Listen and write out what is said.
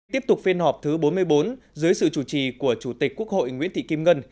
tiếp tục phiên họp thứ bốn mươi bốn dưới sự chủ trì của chủ tịch quốc hội nguyễn thị kim ngân